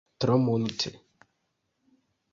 Tro multe!